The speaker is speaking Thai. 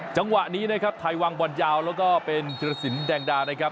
จังหวะนี้นะครับไทยวางบอลยาวแล้วก็เป็นธิรสินแดงดานะครับ